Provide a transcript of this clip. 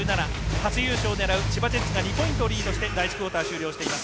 初優勝を狙う千葉ジェッツが２ポイントをリードして第１クオーター終了しています。